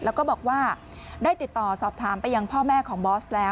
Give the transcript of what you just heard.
แล้วก็บอกว่าได้ติดต่อสอบถามไปยังพ่อแม่ของบอสแล้ว